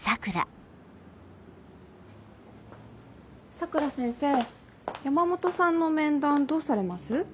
佐倉先生山本さんの面談どうされます？